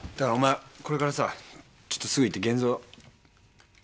これからさちょっとすぐ行って現像。